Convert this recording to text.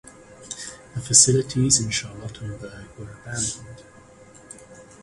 The facilities in Charlottenburg were abandoned.